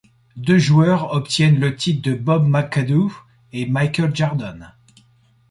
Deux joueurs obtiennent le titre de ', Bob McAdoo et Michael Jordan.